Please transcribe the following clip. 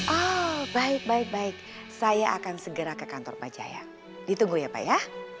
oh baik baik baik saya akan segera ke kantor pak jaya ditunggu ya pak ya